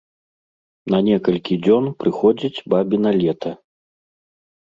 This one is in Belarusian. На некалькі дзён прыходзіць бабіна лета.